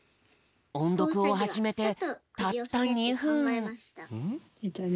おんどくをはじめてたった２ふん。